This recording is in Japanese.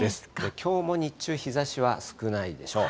きょうも日中、日ざしは少ないでしょう。